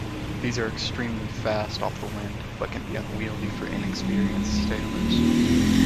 These are extremely fast off the wind, but can be unwieldy for inexperienced sailors.